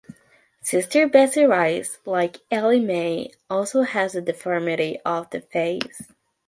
Sister Bessie Rice, like Ellie May, also has a deformity of the face.